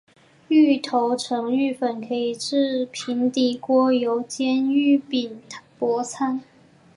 芋头成芋粉可以制平底锅油煎芋饼薄餐。